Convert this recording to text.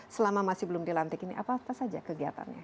selama masih belum dilantik ini apa apa saja kegiatannya